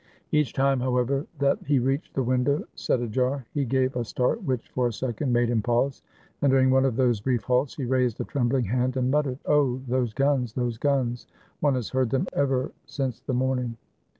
Each time, however, that he reached the window, set ajar, he gave a start which, for a second, made him pause; and during one of those brief halts, he raised a trembling hand and muttered: 394 THE WHITE FLAG OF SEDAN "Oh! those guns, those guns! one has heard them ever since the morning."